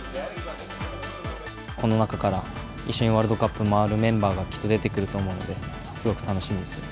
この中から一緒にワールドカップを回るメンバーがきっと出てくると思うので、すごく楽しみです。